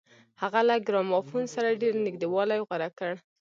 هغه له ګرامافون سره ډېر نږدېوالی غوره کړ